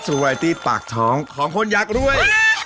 สุวัสดีปากท้องคนยักษ์ด้วย